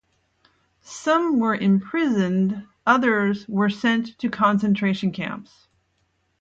Some were imprisoned, others were sent to concentration camps.